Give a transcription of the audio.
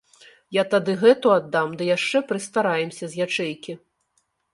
Я тады гэту аддам, ды яшчэ прыстараемся з ячэйкі.